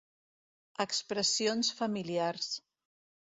Expressions familiars